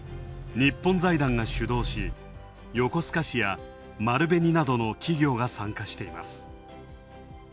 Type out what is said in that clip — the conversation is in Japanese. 日本財団が主導し、横須賀市や丸紅などの企業が参加しています。